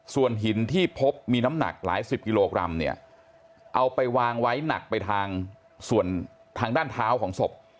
ส่วนหินที่พบมีน้ำหนักหลายสิบกิโลกรัมเนี่ยเอาไปวางไว้หนักไปทางส่วนทางด้านเท้าของศพ